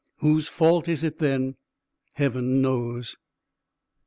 Whose fault is it, then? Heaven knows.